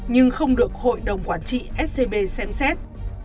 nhưng không được hội đồng quản trị scb xem xét